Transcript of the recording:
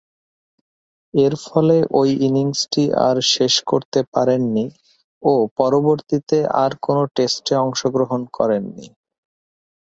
এরফলে ঐ ইনিংসটি আর শেষ করতে পারেননি ও পরবর্তীতে আর কোন টেস্টে অংশগ্রহণ করেননি।